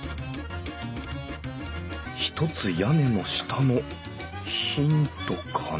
「ひとつ屋根の下」のヒントかな？